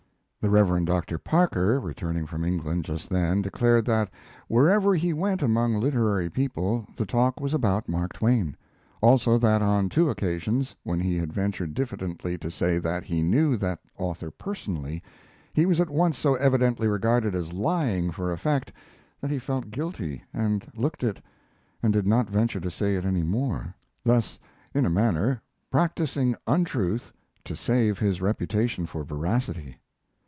The Rev. Dr. Parker, returning from England just then, declared that, wherever he went among literary people, the talk was about Mark Twain; also that on two occasions, when he had ventured diffidently to say that he knew that author personally, he was at once so evidently regarded as lying for effect that he felt guilty, and looked it, and did not venture to say it any more; thus, in a manner, practising untruth to save his reputation for veracity.